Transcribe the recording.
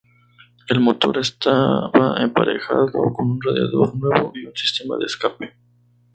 El motor estaba emparejado con un radiador nuevo y un sistema de escape.